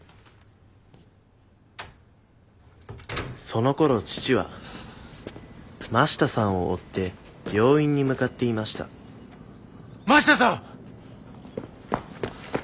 そのころ父は真下さんを追って病院に向かっていました真下さん！